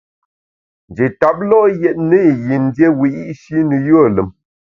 Nji tap lo’ yètne i yin dié wiyi’shi ne yùe lùm.